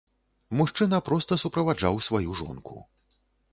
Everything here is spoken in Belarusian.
Мужчына проста суправаджаў сваю жонку.